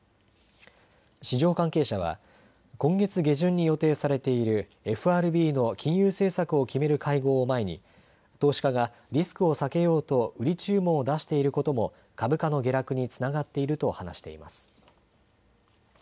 市場関係者は今月下旬に予定されているＦＲＢの金融政策を決める会合を前に投資家がリスクを避けようと売り注文を出していることも株価の下落につながっていると話しています。